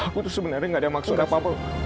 aku tuh sebenarnya gak ada maksud apa apa